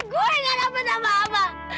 gue gak dapat apa apa